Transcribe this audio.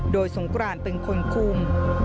โดยสงกรานเป็นคนคุม